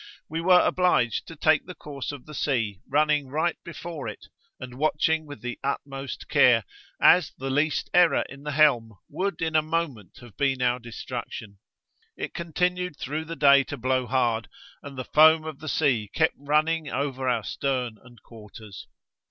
We were obliged to take the course of the sea, running right before it, and watching with the utmost care, as the least error in the helm would in a moment have been our destruction. It continued through the day to blow hard, and the foam of the sea kept running over our stern and quarters.